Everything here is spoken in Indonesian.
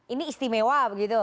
ini istimewa begitu